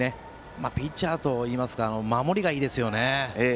まあ、ピッチャーといいますか守りがいいですよね。